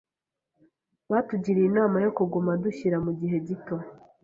Batugiriye inama yo kuguma dushyira mugihe gito.